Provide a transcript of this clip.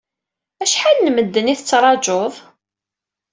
Acḥal n medden i tettraǧuḍ?